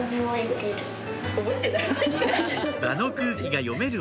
場の空気が読める